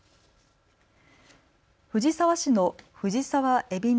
藤沢市の藤沢えびね・